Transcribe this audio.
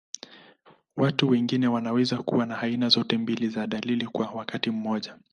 Watu wengine wanaweza kuwa na aina zote mbili za dalili kwa wakati mmoja.